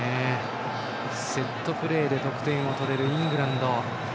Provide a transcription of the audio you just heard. セットプレーで得点を取れるイングランド。